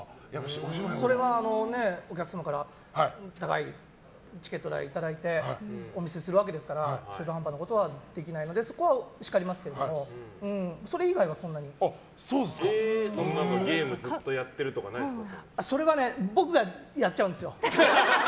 それはお客様から高いチケット代いただいてお見せするわけですから中途半端なことはできないのでそこは叱りますけどゲームずっとやってるとかそれは僕がやっちゃうんですよ。